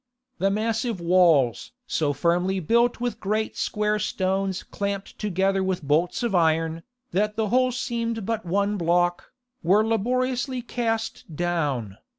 The massive walls "so firmly built with great square stones clamped together with bolts of iron, that the whole seemed but one block," were laboriously cast down.